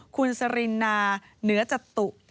คุณสรินาเหนือจตุ